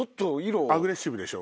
アグレッシブでしょ。